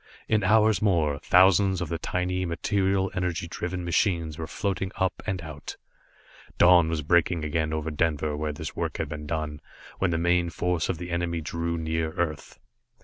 In hours more, thousands of the tiny, material energy driven machines were floating up and out. Dawn was breaking again over Denver where this work had been done, when the main force of the enemy drew near Earth.